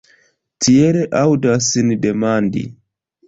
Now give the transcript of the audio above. Tiel aŭdas ni demandi.